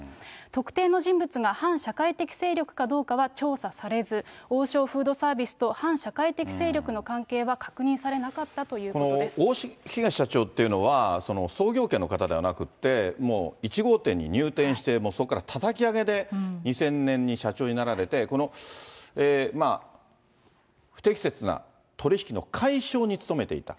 特定の人物が反社会的勢力かどうかは調査されず、王将フードサービスと反社会的勢力の関係は確認されなかったといこの大東社長っていうのは、創業家の方ではなくて、もう１号店に入店して、そこからたたき上げで２０００年に社長になられて、このまあ、不適切な取り引きの解消に努めていた。